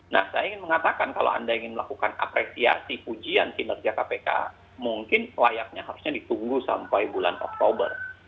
nah saya ingin mengatakan kalau anda ingin melakukan apresiasi ujian kinerja kpk mungkin layaknya harusnya ditunggu sampai bulan oktober